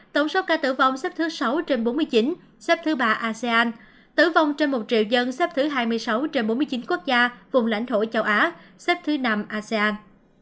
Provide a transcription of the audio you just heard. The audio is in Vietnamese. tổng số ca tử vong trên một triệu dân xếp thứ hai mươi sáu trên bốn mươi chín quốc gia vùng lãnh thổ châu á xếp thứ năm asean